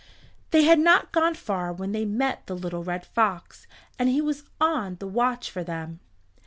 They had not gone far when they met the little red fox, and he was on the watch for them.